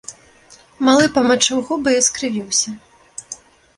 Малы памачыў губы і скрывіўся.